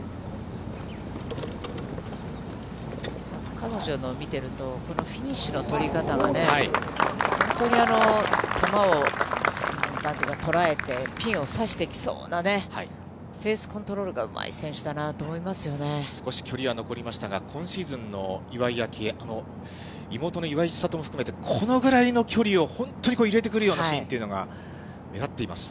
彼女の見てると、このフィニッシュの取り方がね、本当に球を、なんというか、捉えて、ピンをさしてきそうなね、フェースコントロールがうまい選手だな少し距離は残りましたが、今シーズンの岩井明愛、妹の岩井千怜も含めて、このぐらいの距離を本当に入れてくるようなシーンというのが目立っています。